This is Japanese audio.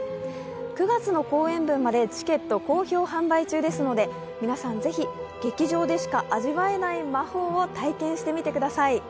９月の公演分までチケット好評販売中ですので皆さん、ぜひ劇場でしか味わえない魔法を体験してみてください。